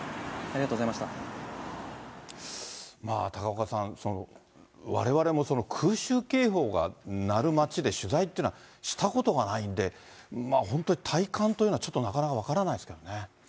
高岡さん、われわれも空襲警報が鳴る街で取材っていうのはしたことがないんで、本当、体感というのはちょっとなかなか分からないですよね。